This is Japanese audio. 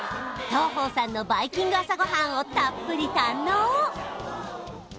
東鳳さんのバイキング朝ごはんをたっぷり堪能！